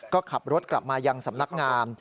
ก็ขับรถกลับมายังสำนักงาม